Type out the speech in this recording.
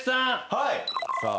はい。